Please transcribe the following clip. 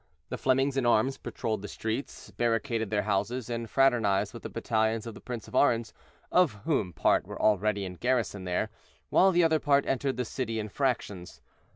The Flemings in arms patroled the streets, barricaded their houses, and fraternized with the battalions of the Prince of Orange, of whom part were already in garrison there, while the other part entered the city in fractions.